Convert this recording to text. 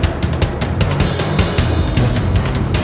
kisah kisah yang terjadi di dalam hidupku